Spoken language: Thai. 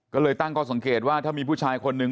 ก็เลยตั้งข้อสังเกตว่าถ้ามีผู้ชายคนนึง